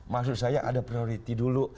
maksud saya ada priority dulu